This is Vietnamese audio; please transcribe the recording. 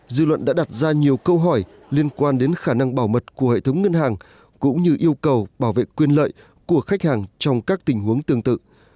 dư luận đã đặt ra nhiều câu hỏi liên quan đến khả năng bảo mật của hệ thống ngân hàng cũng như yêu cầu bảo vệ quyền lợi của khách hàng trong các tình huống tương tự